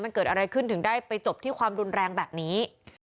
มันเกิดอะไรขึ้นถึงได้ไปจบที่ความรุนแรงแบบนี้